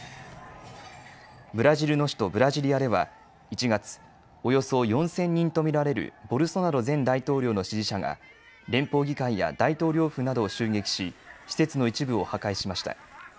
ブラジルの首都ブラジリアでは１月、およそ４０００人と見られるボルソナロ前大統領の支持者が連邦議会や大統領府などを襲撃し施設の一部を破壊しました。